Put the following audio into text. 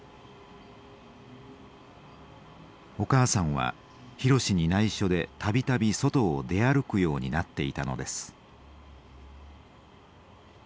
お母さんは博に内緒で度々外を出歩くようになっていたのです。